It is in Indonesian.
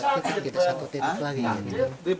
kita satu titik lagi